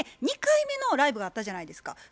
２回目のライブがあったじゃないですか。